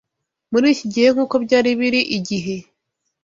muri iki gihe nk’uko byari biri igihe